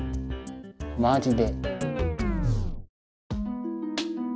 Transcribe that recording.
マジで。